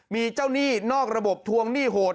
มีเจ้าหนี้นอกระบบทวงหนี้โหด